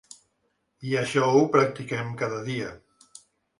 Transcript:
I això ho practiquem cada dia.